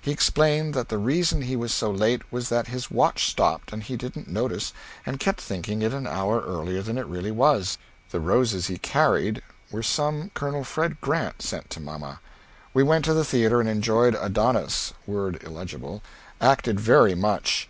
He explained that the reason he was so late was that his watch stopped and he didn't notice and kept thinking it an hour earlier than it really was. The roses he carried were some Col. Fred Grant sent to mamma. We went to the theatre and enjoyed "Adonis" [word illegible] acted very much.